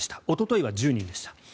おとといは１０人でした。